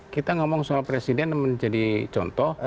kita ngomong soal presiden menjadi contoh